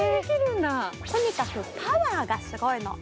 とにかくパワーがすごいの。